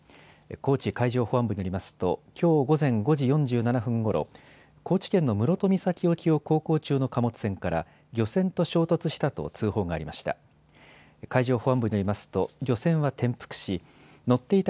高知海上保安部によりますときょう午前５時４７分ごろ、高知県の室戸岬沖を航行中の貨物船から漁船と衝突したと通報がありました。